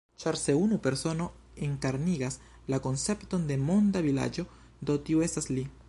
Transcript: Ĉar se unu persono enkarnigas la koncepton de Monda Vilaĝo, do tiu estas li.